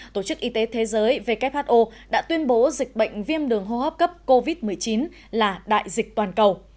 tổ chức y tế thế giới who đã tuyên bố dịch bệnh viêm đường hô hấp cấp covid một mươi chín là đại dịch toàn cầu